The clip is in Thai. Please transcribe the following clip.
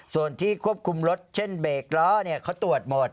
ส่วนที่ควบคุมรถเช่นเบรกล้อเขาตรวจหมด